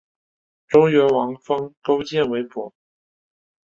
周元王封勾践为伯。